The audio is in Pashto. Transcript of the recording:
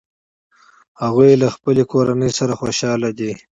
هغوی له خپلې کورنۍ سره خوشحاله دي